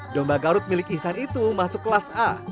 domba garut milik ihsan itu masuk kelas a